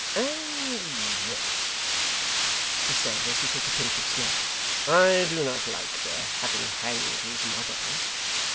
'And yet,' he said, as he took a pinch of snuff, 'I do not like their having hanged his mother.